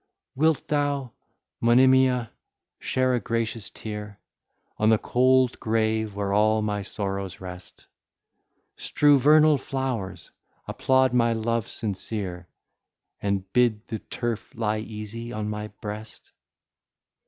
Wilt thou, Monimia, shed a gracious tear On the cold grave where all my sorrows rest? Strew vernal flowers, applaud my love sincere, And bid the turf lie easy on my breast?